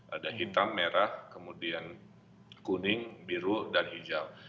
ada hitam merah kemudian kuning biru dan hijau